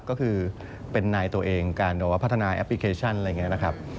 ก็คือเป็นนายตัวเองการแบบว่าพัฒนาแอปพลิเคชันอะไรอย่างนี้นะครับ